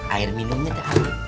air minumnya kak